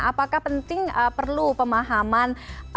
apakah penting perlu pemahaman